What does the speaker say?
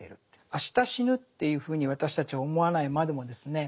明日死ぬっていうふうに私たちは思わないまでもですね